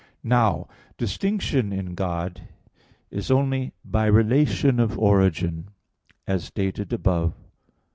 Now distinction in God is only by relation of origin, as stated above (Q.